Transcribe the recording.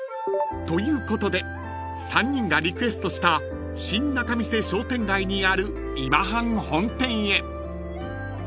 ［ということで３人がリクエストした新仲見世商店街にある今半本店へ］